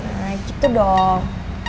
nah gitu dong